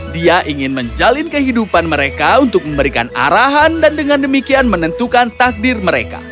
dia ingin menjalin kehidupan mereka untuk memberikan arahan dan dengan demikian menentukan takdir mereka